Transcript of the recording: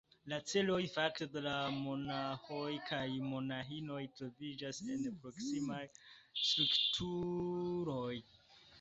La ĉeloj, fakte, de la monaĥoj kaj monaĥinoj troviĝas en proksimaj strukturoj.